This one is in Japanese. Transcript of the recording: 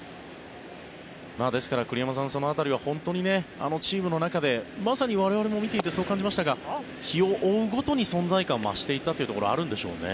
ですから栗山さんその辺りは本当にチームの中でまさに我々も見ていてそう感じましたが日を追うごとに存在感が増していったというところはあるんでしょうね。